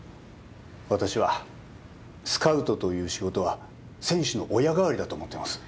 私はスカウトという仕事は選手の親代わりだと思っています